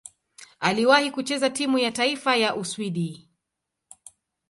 Aliwahi kucheza timu ya taifa ya Uswidi.